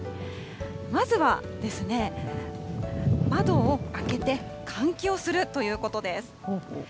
まずは、窓を開けて、換気をするということです。